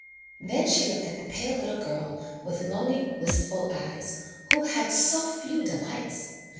Then she looked at the pale little girl with longing, wistful eyes, who had so few delights.